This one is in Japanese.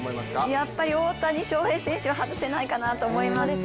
やっぱり大谷翔平選手は外せないかなと思いますし